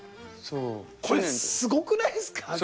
これすごくないですか！？